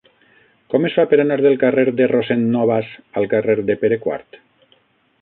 Com es fa per anar del carrer de Rossend Nobas al carrer de Pere IV?